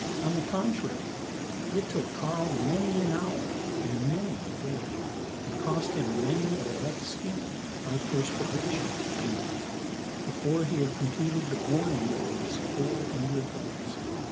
On the contrary, it took Karl many an hour and many a day, and cost him many a wet skin by perspiration, I mean before he had completed the boring of those four hundred holes.